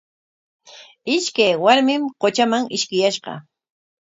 Ishkay warmim qutraman ishkiyashqa.